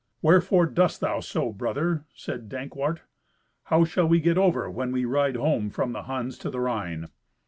"Wherefore dost thou so, brother?" said Dankwart. "How shall we get over when we ride home from the Huns to the Rhine?"